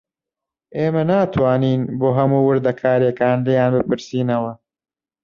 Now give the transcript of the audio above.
ئێمە ناتوانین بۆ هەموو وردەکارییەک لێیان بپرسینەوە